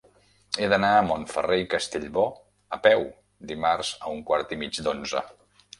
He d'anar a Montferrer i Castellbò a peu dimarts a un quart i mig d'onze.